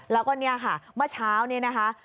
แล้วก็เนี่ยค่ะเมื่อเช้านี้นะคะ